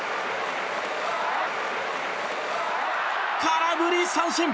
空振り三振！